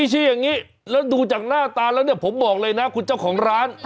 ชื่ออย่างนี้แล้วดูจากหน้าตาแล้วเนี่ยผมบอกเลยนะคุณเจ้าของร้าน